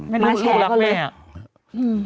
มาแชร์ก็เลย